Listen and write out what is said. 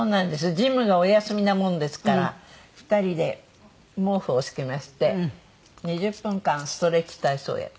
ジムがお休みなものですから２人で毛布を敷きまして２０分間ストレッチ体操をやって。